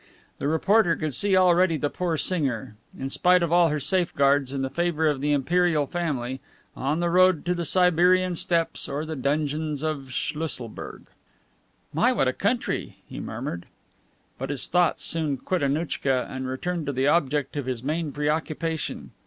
The reporter could see already the poor singer, in spite of all her safeguards and the favor of the Imperial family, on the road to the Siberian steppes or the dungeons of Schlusselbourg. "My, what a country!" he murmured. But his thoughts soon quit Annouchka and returned to the object of his main preoccupation.